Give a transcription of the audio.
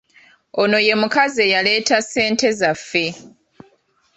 Ono ye mukazi eyaleeta ssente zaffe.